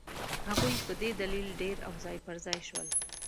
هغوی په دې دلیل ډېر او ځای پر ځای شول.